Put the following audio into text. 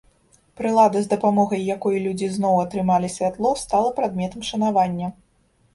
Прылада, з дапамогай якой людзі зноў атрымалі святло, стала прадметам шанавання.